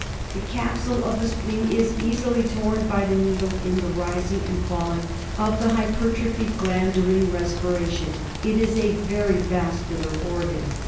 The capsule of the spleen is easily torn by the needle in the rising and falling of the hypertrophied gland during respiration ; it is a very vascular organ.